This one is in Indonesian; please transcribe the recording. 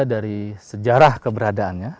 dari sejarah keberadaannya